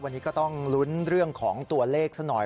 วันนี้ก็ต้องลุ้นเรื่องของตัวเลขซะหน่อย